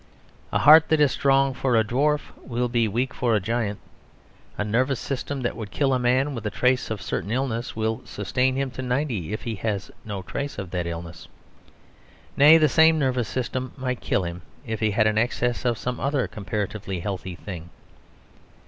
A heart that is strong for a dwarf will be weak for a giant; a nervous system that would kill a man with a trace of a certain illness will sustain him to ninety if he has no trace of that illness. Nay, the same nervous system might kill him if he had an excess of some other comparatively healthy thing.